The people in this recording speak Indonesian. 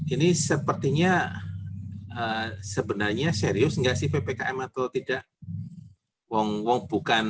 ini sepertinya sebenarnya serius nggak sih ppkm atau tidak